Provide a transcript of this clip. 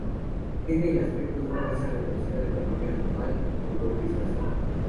Tienen el aspecto de una masa retorcida de tamaño anormal y un color grisáceo.